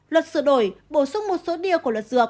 luật sửa đổi bổ sung một số điều của luật dược